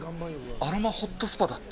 アロマホットスパだって。